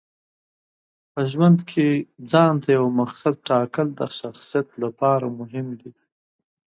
په ژوند کې ځانته یو مقصد ټاکل د شخصیت لپاره مهم دي.